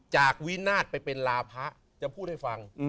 วินาศไปเป็นลาพะจะพูดให้ฟัง